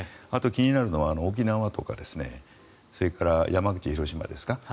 あと、気になるのは沖縄とかそれから山口、広島ですか。